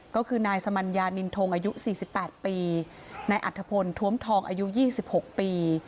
ก็คือนายสมัญญานินทรงอายุสี่สิบแปดปีนายอัตภพลท้วมทองอายุยี่สิบหกปี